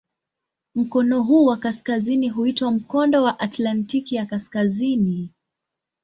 Mkono huu wa kaskazini huitwa "Mkondo wa Atlantiki ya Kaskazini".